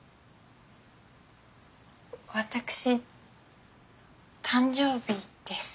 私誕生日です。